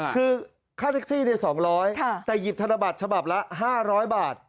คือค่าแท็กซี่๒๐๐แต่หยิบธนบัตรฉบับละ๕๐๐บาท